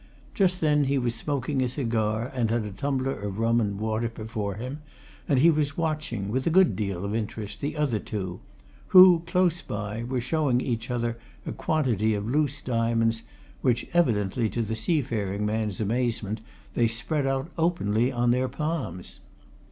Just then he was smoking a cigar and had a tumbler of rum and water before him, and he was watching, with a good deal of interest, the other two, who, close by, were showing each other a quantity of loose diamonds which, evidently to the seafaring man's amazement, they spread out openly, on their palms.